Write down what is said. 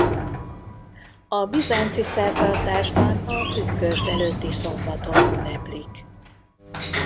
A bizánci szertartásban a pünkösd előtti szombaton ünneplik.